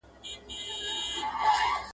غوټۍ مي وسپړلې !.